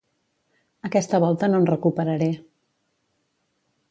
Aquesta volta no em recuperaré.